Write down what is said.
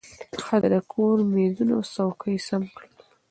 ښځه د کور مېزونه او څوکۍ سم کړل